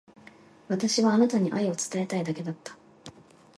私はあなたに愛を伝えたいだけだった。